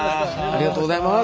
ありがとうございます。